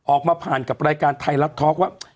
ออกมาผ่านกับรายการไทยรัฐทอล์กว่า